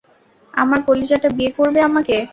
আমার কলিজাটা, বিয়ে করবে আমাকে?